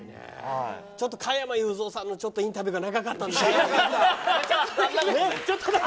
ちょっと加山雄三さんのちょっとインタビューが長かったんでちょっとね。